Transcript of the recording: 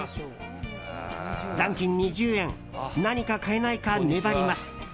残金２０円何か買えないか粘ります。